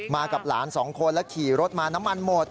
กับหลานสองคนแล้วขี่รถมาน้ำมันหมด